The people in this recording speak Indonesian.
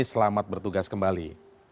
selamat bertugas kembali